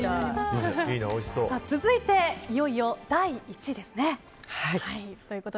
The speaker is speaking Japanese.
続いて、いよいよ第１位ですね。